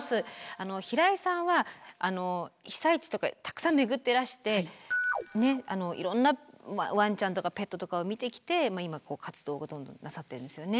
平井さんは被災地とかたくさん巡ってらしていろんなワンチャンとかペットとかを見てきて今活動をどんどんなさってるんですよね。